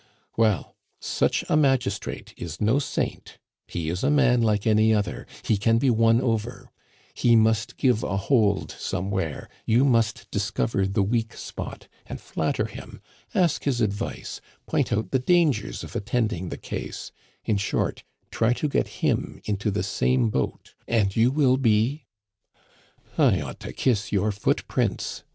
Well, such a magistrate is no saint; he is a man like any other; he can be won over; he must give a hold somewhere; you must discover the weak spot and flatter him; ask his advice, point out the dangers of attending the case; in short, try to get him into the same boat, and you will be " "I ought to kiss your footprints!"